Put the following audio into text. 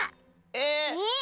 え？